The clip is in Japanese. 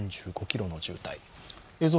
４５ｋｍの渋滞。